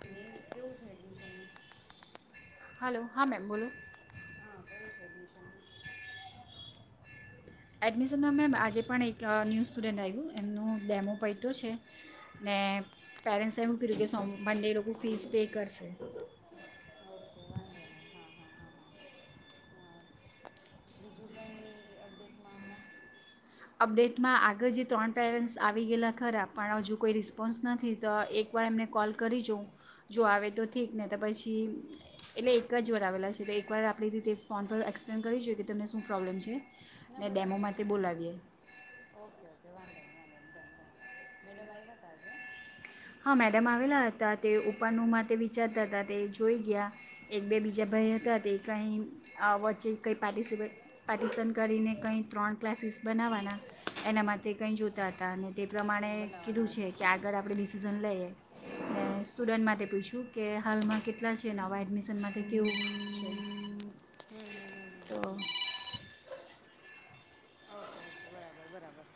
હમ કેવું છે એડમિશનનુ? હલો હા મેમ બોલો [unintelligible] હા કેવું છે એડમિશનનુ? એડમિશનમાં મેમ આજે પણ એક ન્યૂ સ્ટુડન્ટ આવ્યું એમનું ડેમો પત્યો છે, ને પેરેન્ટ્સે એવું કીધું કે સો મંડે એ લોકો ફીસ પે કરશે. ઓકે વાંધો નહીં હ હા હા હા. બીજું કઈ અપડેટમાં હમણાં. અપડેટમાં આગળ જે ત્રણ પેરેન્ટ્સ આવી ગયેલા ખરા પણ હજુ કોઈ રિસ્પોન્સ નથી તો એકવાર એમને કોલ કરી જોઉં, જો આવે તો ઠીક ને તો પછી એટલે એક જ વાર આવેલા છે એકવાર આપણી રીતે ફોન પર એક્સપ્લેન કરી જોઈએ કે તમને શું પ્રોબ્લેમ છે. ના ને ડેમો બરાબર માટે છે બોલાવીએ. ઓકે ઓકે, વાંધો નહીં વાંધો નહીં. ડન ડન મેડમ આવ્યા હતા આજે હા મેડમ આવેલા હતા તે ઉપરનુ માટે વિચારતા હતા. તે જોઈ ગયા, એક બે બીજા ભાઈ હતા તે કંઈ અ વચ્ચે કંઈ પાર્ટિસિપેટ પાર્ટિસન કરીને કંઈ ત્રણ ક્લાસીસ બનાવવાના. એના માટે કંઈ જોતા હતા અને તે પ્રમાણે ક્લાસરૂમ કીધું બનાવવાના છે હશે કે ને આગળ આપણે ડીસ ને અ સ્ટુડન્ટ માટે પૂછયુ કે હાલમાં કેટલા છે. નવા એડમિશન માટે કેવું છે? તો ઓકે ઓકે. બરાબર બરાબર.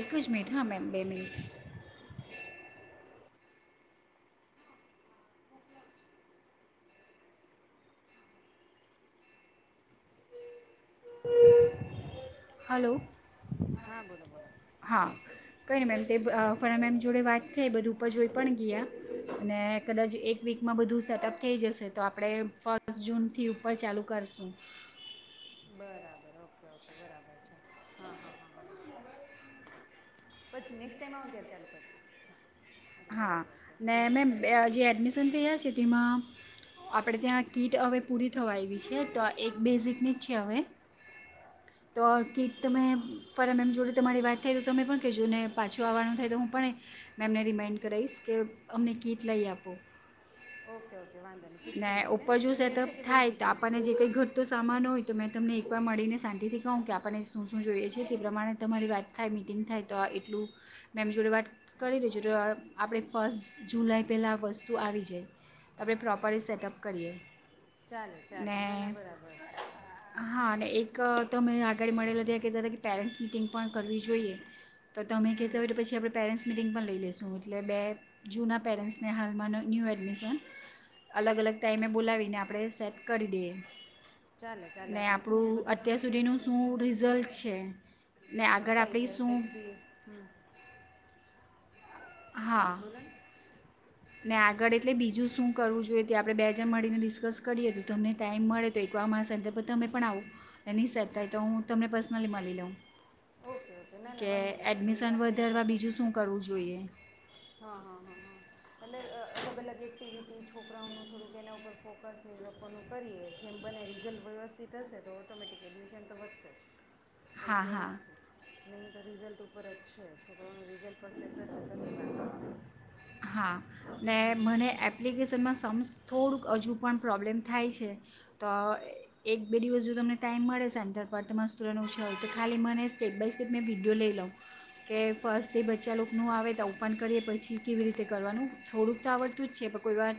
એક જ મિનિટ હા મેમ બે મિનિટ હલો. હા બોલો બોલો. કઈ નહિ મેમ તે અ ફના મેમ જોડે વાત થઈ, બધું ઉપર જોઈ પણ ગયા. અને કદાચ એક વીકમાં બધું સેટઅપ થઈ જશે. તો આપડે ફસ્ટ જૂન થી ઉપર ચાલુ કરશું. બરાબર ઓકે ઓકે બરાબર છે. હ હ હ હ હ પછી નેક્સ્ટ ટાઈમ આવું ત્યારે ચાલુ કરી દઈશ. એટલે હા ઓકે ઓકે. ને મેમ બે- જે એડમિશન થયા છે. તેમાં આપણે ત્યાં કીટ હવે પૂરી થવા આવી છે. તો આ એક બેઝિકની જ છે હવે. તો કીટ તમે ફરમ મેમ જોડે તમારી વાત થાય તો તમે પણ કહેજો ને પાછું આવવાનું થાય તો હું પણ મેમને રિમાઈન્ડ કરાવીશ, કે અમને કીટ લઈ આપું. ઓકે ઓકે વાંધો નહીં કીટ ને થઈ રહી છે ઉપરજો જુનિયર સેટપ છે કે થાય, તો બેઝિકની આપણને જે કઈ ઘટતું સામાન હોય તો મેં તમને એકવાર મળીને શાંતિથી કહું કે આપણને શું શું જોઈએ છે. તે પ્રમાણે તમારી વાત થાય મિટિંગ થાય તો આ એટલું મેમ જોડે વાત કરી લેજો. તો આપણે ફસ્ટ જુલાઈ પહેલાં વસ્તુ આવી જાય. તો આપણે પ્રોપરલી સેટઅપ કરીએ. ચાલે ચાલે ને નાના બરાબર છે. હા અને એક તમે આગળ મળેલા ત્યા કે તા પેરેન્ટ્સ મિટિંગ પણ કરવી જોઈએ તો તમે કહેતા હોયટ પછી આપણે પેરેન્ટ્સ મિટિંગ પણ લઈ લેશું. એટલે બે જૂના પેરેન્ટ્સને, હાલમાં ન્યૂ એડમિશન. અલગ અલગ ટાઈમે બોલાવીને આપણે સેટ કરી દઈએ. ચાલે ચાલે ને એટલે શું આપડું બધા અત્યાર સુધી નું શું રિઝલ્ટ છે ને આગળ આપણે શું હમ્મ હા. ને આગળ એટલે બીજું શું કરવું જોઈએ, તે આપણે બે જન મળીને ડિસ્કસ કરીએ. તો તમને ટાઈમ મળે તો એકવાર અમારા સેન્ટર પર તમે પણ આવો. અને નહીં સેટ થાય તો હું તમને પર્સનલી મળી લઉં. ઓકે ઓકે, ના ના કે વાંધો નહી એ એડમિશન આપડ એક વધારવા વખત, બીજું શું કરવું જોઈએ હા હા હા હા એટલે અ અલગ અલગ એક્ટિવિટી છોકરાઓનું થોડુંક એના ઉપર ફોકસ ને એ લોકોનું કરીએ. જેમ બને રીઝલ્ટ વ્યવસ્થિત હશે તો ઓટોમેટિક એડમિશન તો વધશે જ. હા હા. નહીન તો રિઝલ્ટ ઉપર જ છે. છોકરાઓ નો રી હા ને મને એપ્લિકેશનમાં સમ્સ થોડુંક હજુ પણ પ્રોબ્લેમ થાય છે. તો એક બે દિવસ જો તમને ટાઈમ મળે સન્ટર પર, તમારા સ્ટુડન્ટો ઓછો હોય. તો ખાલી મને સ્ટેપ બાય સ્ટેપ મેં વિડીયો લઈ લઉં. કે ફર્સ્ટ તે બચ્ચા લોકોનું આવે તો, ઓપન કરીએ પછી કેવી રીતે કરવાનું. થોડુંક તો આવડતું જ છે. પણ કોઈવાર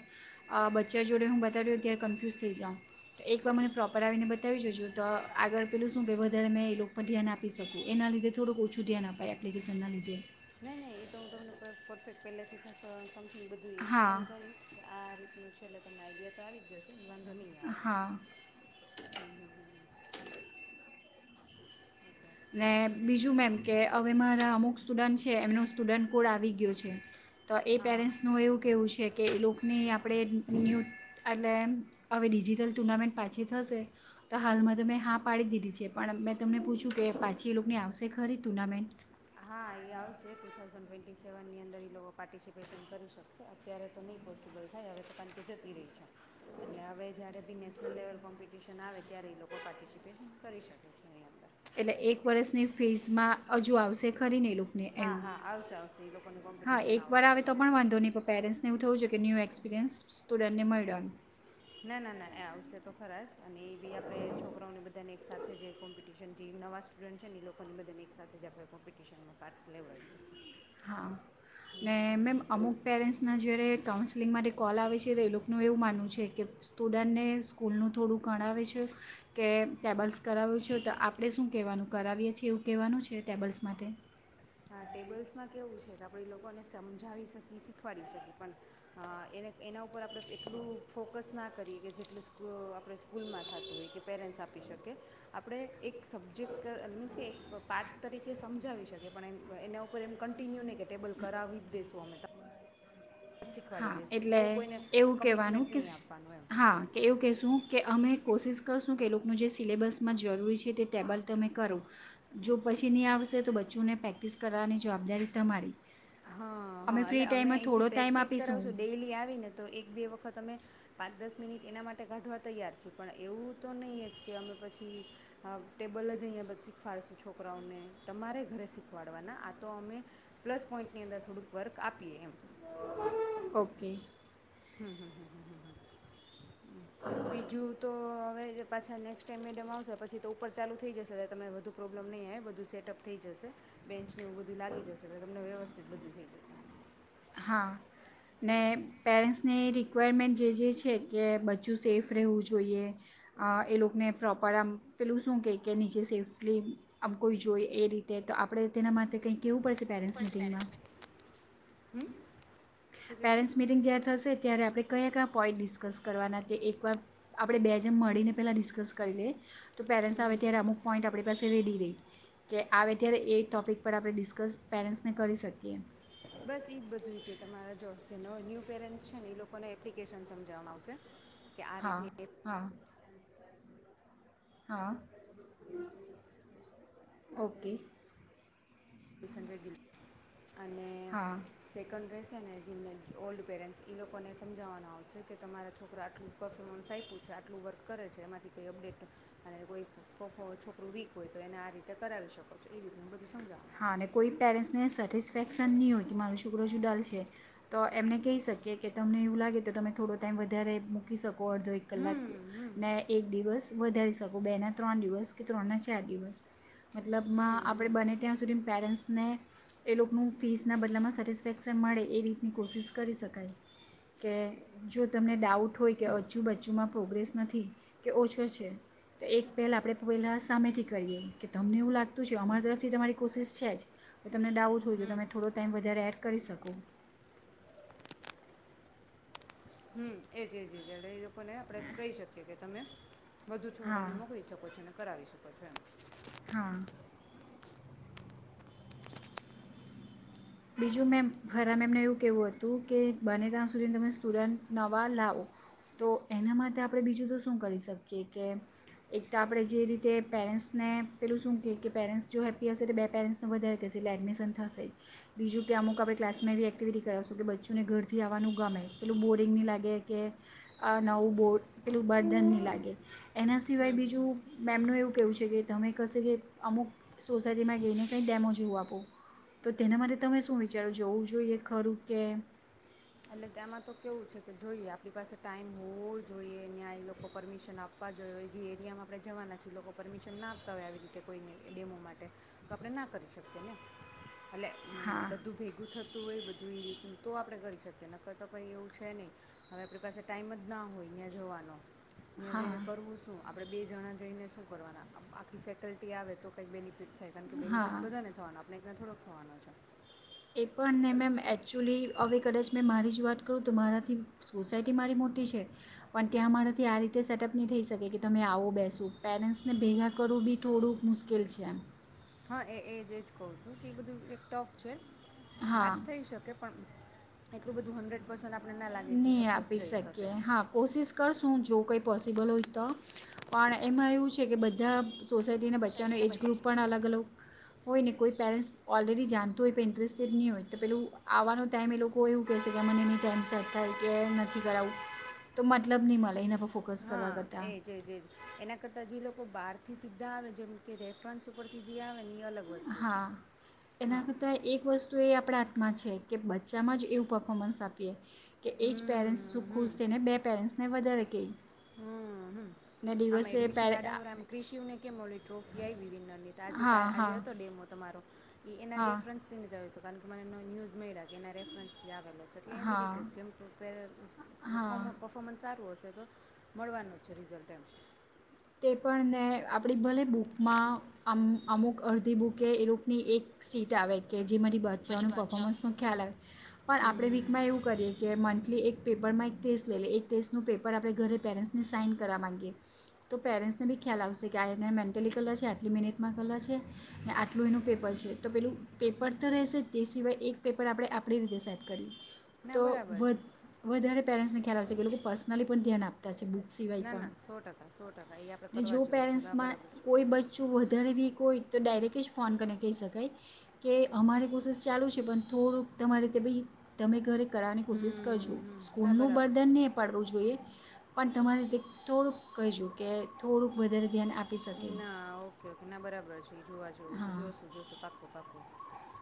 અ બચ્ચા જોડે હું બતાવ્યો ત્યારે કન્ફ્યુઝ થઈ જાઉં. તો એકવાર મને પ્રોપર આવીને બતાવી જજો તો આગળ પેલું શું કે વધારે મેં એ લોકો પર ધ્યાન આપી શકું. એના લીધે થોડુંક ઓછું ધ્યાન આપાય એપ્લિકેશનના લીધે. નહી નહી એ તો હું તમને પર પરફેક્ટ પહેલેથી થ હ બધું હા એક્સપ્લેન કરીશ કે આ રીતે હું છે એટલેમને આઈડિયા તો આવી જશે. વાંધોની આવે, હા હમ હમ હમ. ઓકે ને બીજું મેમ કે હવે મારા અમુક સ્ટુડન્ટ છે એમનો સ્ટુડન્ટ કોડ આવી ગયો છે. તો એ હા હા પેરેન્ટ્સનું એવું કહેવું છે કે લોકોને આપણે ન્યૂ એટલે હવે ડિજિટલ ટુર્નામેન્ટ પાછી થશે, તો હાલમાં ત મેં હા પાડી દીધી છે પણ મેં તમને પૂછ્યું કે પાછી એ લોકોની આવશે ખરી ટુર્નામેન્ટ? હા એ આવશે ટુ થાઉઝન્ડ ટ્વેન્ટી સેવનની અંદર એ લોકો પાર્ટિસિપેશન કરી શકશે અત્યારે તો નહીં પોસિબલ થાય હવે તો કારણ કે જતી રહી છે, એટલે હવે જ્યારે બી નેશનલ લેવલ કોમ્પિટિશન આવે ત્યારે એ લોકો પાર્ટિસિપેશન કરી શકે છે એ અંદર. એટલે એક વર્ષની ફીઝમાં હજુ આવશે ખરીને ને હા એવું, હા આવશે આવશે એ લોકોની હા કોમ્પિટિશન એકવાર આવશે આવે અલગ તો પણ વાંધો નહીં પણ પેરેન્ટ્સને એવું થવું છે કે ન્યૂ એક્સપિરિયન્સ સ્ટુડન્ટને મેઇડો એમ. ના ના ના એ આવશે તો ખરા જ અને એ બી આપડે છોકરાઓને બધાને એક સાથે જે કોમ્પિટશન જે નવા સ્ટુડન્ટ છે એ લોકોને બધાને એક સાથે જ આપણે ક કોમ્પિટિશનમાં પાર્ટ લેવાય શું. હા, ને મેમ અમુક પેરેન્ટ્સના જેડે કાઉન્સેલિંગ માટે કોલ આવે છે તો એ લોકોનું એવું માનવું છે કે સ્ટુડન્ટને સ્કૂલનું થોડું ગણાવે છે, કે ટેબલ્સ કરાવ્યું છે તો આપડે શું કહેવાનું કરાવીએ છીએ એવું કહેવાનું છે ટેબલ્સ માટે. હા ટેબલ્સ માં કેવું છે ક એ લોકોને સમજાવી શકી શીખવાડી શકી પણ, એને એના ઉપ ઉપર આપડે કેટલું ફોકસ ના કરીએ કે જેટલું સ્ક આપડે સ્કૂલમાં થતું હોય કે પેરેન્ટ્સ આપી શકીએ, આપડે એક સબ્જેક્ટ મીન્સ કે એક પાર્ટ તરીકે સમજાવી શકીએ પણ એમ એના ઉપર એમ કન્ટિન્યુ નહીં કે ટેબલ કરાવી જ દેશું અમે ત હા એટલે કોઈને એવું કહેવાનું કમિટમેન્ટ કે નહીં આપવાનું એમ હા કે એવું કહેશું કે અમે કોશિશ કરશું કે એ લોકોનું જે સિલેબસમાં જરૂરી છે તે ટેબલ તમે કરો, જો પછી નહીં આવશે તો બચ્ચોને પ્રેક્ટિસ કરવાની જવાબદારી તમારી. હા હા ફ્રી એટલે અમે ટાઈમમાં અયથી થોડો ટાઈમ પ્રેક્ટિસ આપીશું કરાવશું ડેલી આવી ને તો એક બે વખત તમે, પાંચ દસ મિનિટ એના માટે કાઢવા તૈયાર છે પણ એવું તો નહીં જ કે અમે પછી, અ ટેબલ જ અહીંયા શીખવાડશું છોકરાઓને તમારે ઘરે શીખવાડવાના આ તો અમે, plus point P M. Okay. હમ હમ હમ હમ હમ હમ. બીજું તો હવે પાછા નેક્સ્ટ ટાઈમ મેડમ આવશે પછી તો ઉપર ચાલુ થઈ જશે એ તમને વધુ પ્રોબ્લેમ નહીં એ બધું સટઅપ થઈ જશે, બેન્ચ બધું લી જશે એટલે તને વ્યવસ્થ બધું થઈ જશે. હા, ને પેરેન્ટ્સની રિક્વાયરમેન્ટ જે જે છે કે બચ્ચું સેફ રહેવું જોઈએ, એ લોકોને પ્રોપર આમ પેલું શું કેય કે નીચે સેફલી આમ કોઈ જોઈ એ રીતે તો આપડે તેના માટે કંઈ કેવું પડશે પેરેન્ટ્સ મીટિંગમાં. શું કહે છે પેરેન્સ મીટિંગ જ્યારે થશે ત્યારે આપડે કયા કયા પોઈન્ટ ડિસ્કસ કરવાના તે એકવાર આપડે બે જેમ મળીને પહેલાં ડિસ્કસ કરી લઈએ. તો પેરેન્ટ્સ આવે ત્યારે અમુક પોઈન્ટ આપડે પાસે રેડી રેય, કે આવે અત્યારે એ ટોપિક પર આપડે ડિસ્કસ પેરેન્ટ્સને કરી શકીએ. બસ એ જ બધું એ કે તમારા જોત પેરેન્ટસ છે ને એ લોકોને એપ્લિકેશન સમજાવવામાં આવશે. કે આ હા રીતની હા. હા ઓકે. એપ્લિકેશન રેગ્યુલ અને હા સેકન્ડ ડ્રેસ છે ને જીનને ઓલ્ડ પેરેન્ટ્સ એ લોકોને સમજાવવાનો આવશે કે તમારા છોકરા આટલું પર્ફોર્મન્સ આયપુ છે આટલું વર્ક કરે છે એમાંથી કંઈ અપડેટ, તમારે કોઈ પર્ફો છોકરું વીક હોય તો એને આ રીતે કરાવી શકો છો એ રીતનું બધું સમજાવવામાં આવશે. હા અને કોઈ પેરેન્ટ્સને સેટિસફેક્શન ની હોય કે મારો છોકરો જ ઉડાલ છે, તો એમને કેઈ શકીએ કે તમને એવું લાગે તો તમે થોડો ટાઈમ વધારે મૂકી શક કો અડધો એક કલાક, ને એક દિવસ વધારે શકો બે ના ત્રણ દિવસ કે ત્રણ ના ચાર દિવસ. મતલબમાં આપડે બને પેરેન્ટ્સને, એ લોકોનું ફીસના બદલામાં સેટિસફેક્શન મળે એ રીતની કોશિશ કરી શકાય, કે જો તમને ડાઉટ હોય કે હજુબજુમાં પ્રોગ્રેસ નથી કે ઓછો છે તો એક પહેલ આપણે પહેલાં સામેથી કરીએ કે તમને એવું લાગતું છે અમારી તરફથી તમારી કોશિશ છે જ. તમને ડાઉટ હોય તો તમે થોડો ટાઈમ વધારે એડ કરી શકો. હમ એજ જ એ લોકોને આપડે કહી શકીએ કે તમે વધુ હા છોકરાને મોકલી શકો છો ને કરાવી શકો છો એમ. હા. બીજું મેમ ફરા મેમને એવું કહેવું હતું કે બને ત્યાં સુધી તમે સ્ટુડન્ટ નવા લાવો, તો એના માટે આપણે બીજું તો શું કરી શકીએ કે, એક તો આપણે જે રીતે પેરેન્ટ્સને પેલું શું કહીએ કે પેરેન્ટ્સ જો હેપ્પી હશે, તો બે પેરેન્ટ્સને વધારે કહેશે એટલે એડમિશન થશે જ. બીજું કે અમુક આપણે ક્લાસમાં એવી એક્ટિવિટી કરાવશું કે બચ્ચોને ઘરથી આવવાનું ગમે, પટલું બોરિંગ નહીં લાગે કે, નવું બો પટલું બર્ધ નહીં લાગે. એના સિવાય બીજું મેમનું એવું કેવું છે કે તમે કશે કે અમુક સોસાયટીમાં જઈને કંઈ ડેમો જાઓ આપો, તો તેના માટે તમે શું વિચારો જવું જોઈએ ખરું કે? એટલે તેમાં તો કેવું છે કે જોઈએ આપણી પાસે ટાઈમ હોવો જોઈએ ત્યાં લોકો પરમિશન આપવા જોઈએ જે એરિયામાં આપણે જવાના છીએ એ લોકો પરમિશન ના આપતા હોય આવી રીતે કોઈને ડેમો માટે, તો આપણે ના કરી શકીએ ને? એટલે હા બધું ભેગું થતું હોય બધું એ રીતનું, તો આપણે કરી શકીએ. કે નક્કર તો કંઈ એવું છે નહીં, હવે આપણી પાસે ટાઈમ જ ના હોય અહીંયા જવાનો. ત્યાં જઈને હા કરું શું આપ આપણે બે જણા જઈને શું કરવાના? આખી ફેકલ્ટી આવે તો કંઈક બેનિફિટ છે ખરુ કે બેનિફિટ હા બધાને થવાના આમ લલેગ્ન થોડોક થવાનો છે. એ પણ ને મેમ એકચુલી હવે કદાચ મે મારી રજૂઆત કરું તો મારાથી સોસાયટી મારી મોટી છે, પણ ત્યાં મારાથી આ રીતે સેટઅપ નહીં થઈ શકે કે તમે આવો બેસો. પેરેન્ટ્સને ભેગા કરવું બી થોડું મુશ્કેલ છે એમ. હા એ એજ એજ કહુ છું તે બધું એક ટફ છે. વાત હા થઈ શકે પણ એટલું બધું હંડ્રેડ પસેન્ટ નહીં આપી શકીએ. હા, કોશિશ કરશું જો કંઈ પોસિબલ હોય તો. પણ એમાં એવું છે કે બધા સોસાયટીના બચ્ચાનો સોસાયટીને એજ ગ્રુપ પછી પણ અલગ-અલગ હોય ને. કોઈ પેરેન્ટ્સ ઓલરેડી જાણતું હોય પણ ઇન્ટરેસ્ટેડ નહીં હોય. તો પેલું આવાનો ટાઈમ એ લોકો એવું કહેશે કે, અ મને એ ની ટાઈમ સેટ થાય કે નથી કરાવવું, તો મતલબ નહીં, એના પર ફોકસ. કરવા કરતાં એ જ એ જ, એના કરતા જે લોકો બહાર થી સીધા આવે, જેમ કે રેફરન્સ ઉપરથી જ આવે ને એ અલગ વસ્તુ છે હા, એના હા કરતાં એક વસ્તુ એ આપણે માં છે કે, બચ્ચામાં જ એવું પર્ફોમન્સ આપીએ. કે એ હમ જ પેરેન્ટ્સ શું ખુશ થઈને બે પેરેન્ટ્સને વધારે કે હમ્મ હ, આમ એડમિશન પેરે આડે ક્રિશવને કે મને ટ્રોફી આઇવિ બી નથી. તો આજ કા હા આજે હા હતો ડેમ મારો [inaudible] [unintelligible] નો હા ન્યૂઝ મળ્યા કે એનો રેફરેન્સ [unintelligible] જેમ હા પ્રિપેર હતું, કોક નુ હા પરફોર્મન્સ સારું હતું. તો મળવાનું છે રિઝલ્ટ [inaudible] તે પણ ને આપડી ભલે બુકમાં અમ અમુક અડધી બુકે એ રૂકની એક સીટ આવે કે જે મારી બચ્ચાઓનું વાત છે પર્ફોમન્સનો ખ્યાલ આવે. પણ આપણે વીકમાં એવું કરીએ કે મંથલી એક પેપરમાં એક ટેસ્ટ લઈ લે. એક ટેસ્ટનું પેપર આપણે ઘરે પેરેન્ટ્સને સાઈન કરવા માંગીએ તો પેરેન્ટ્સને બી ખ્યાલ આવશે કે આ એને મેન્ટલી કલર છે, આટલી મિનિટમાં કલર છે. ને આટલું એનું પેપર છે. તો પેલું પેપર તો રહેશે જ તે સિવાય એક પેપર આપણે આપણી રીતે સેટ કરીએ ના તો બરાબર વ છે વધારે પેરેન્ટ્સને ખ્યાલ આવેશે. કે એ લોકો પર્સનલી પણ ધ્યાન આપતા છે બુક સિવાય ના પણ ના સો ટકા સો ટકા એ આપણે ને કરવા જો જેવું છે ના પેરેન્ટ્સમાં બરાબર છે કોઈ બચ્ચું વધાર વીક હોય તો ડાયરેક્ટલી જ ફોન કરી કહી શકાય. કે અમારે કોશિસ ચાલુ છે, પણ થોડુંક તમારેતે ભી તમે ઘરે કરાવની કોશિશ હમ કરજો. હમ ના સ્કૂલનું બરાબર છે બર્ડન નહીં પાડવું જોઈએ પણ તમારે તે થોડુંક કહીજું કે થોડુંક વધારે ધ્યાન આપ ના ઓકે ઓકે ના બરાબર છે. જોવા જોવું છે. હા જોશું જોશું, પાક્કુ પાક્કુ,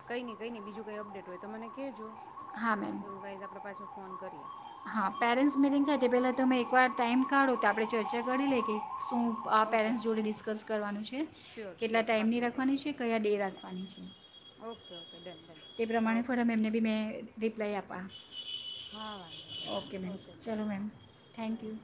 કંઈ નહીં કંઈ નહી, બીજું કઈ અપડેટ હોય તો મને કહેજો. હા મેમ એવું કંઈક આપડે પાછું ફોન કરએ. હા પેરેન્ટ્સ મિનિંગ થાય તે પહેલાં તમે એકવાર ટાઈમ કાઢો. તો આપણે ચર્ચા કરી લઈ કે શું આ ઓકે પેરેન્ટ્સ જોડે ડિસ્કસ કરવાનું છે શ્યોર કેટલા શ્યોર ટાઈમની પાક્કું ડન રાખવાની છે કયા ડે રાખવાની છે. ઓકે ઓકે ડન ડન તે પ્રમાણે ઓકે ફરમ એમને બી મેં ડી લઇ આપા. હા વાંધી ની મેમ ઓકે ચલ ચલો મેમ હા થેન્ક બાય. યુ